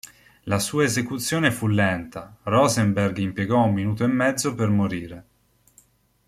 La sua esecuzione fu lenta: Rosenberg impiegò un minuto e mezzo per morire.